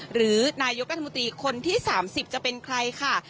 หรือนายกรัฐมนตรีคนที่๓๐จะเป็นใครค่ะ